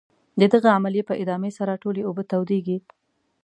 د دغې عملیې په ادامې سره ټولې اوبه تودیږي.